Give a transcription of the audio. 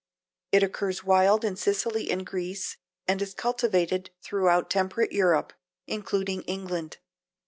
It occurs wild in Sicily and Greece and is cultivated throughout temperate Europe, including England.